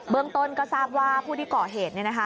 เมืองต้นก็ทราบว่าผู้ที่ก่อเหตุ